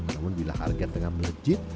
namun bila harga tengah melejit